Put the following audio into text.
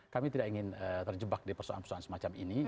kita ingin terjebak di persoalan persoalan semacam ini